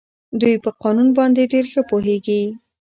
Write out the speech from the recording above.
دوی په قانون باندې ډېر ښه پوهېږي.